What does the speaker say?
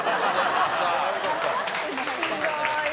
ひどい。